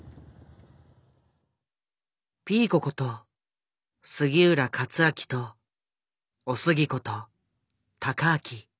ピーコこと杉浦克昭とおすぎこと孝昭。